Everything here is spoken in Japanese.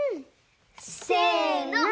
せの！